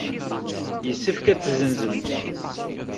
Yessefk ad t-tessenzem.